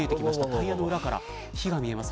タイヤの裏から火が見えます。